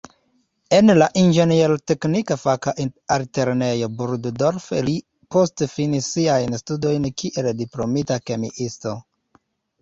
En la inĝenier-teknika faka altlernejo Burgdorf li poste finis siajn studojn kiel diplomita kemiisto.